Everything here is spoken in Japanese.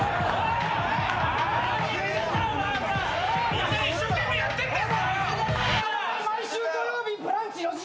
みんな一生懸命やってんだぞ！